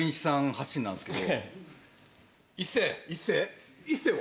発信なんですけど。